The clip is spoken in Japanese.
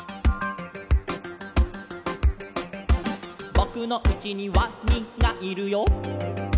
「ぼくのうちにワニがいるよ」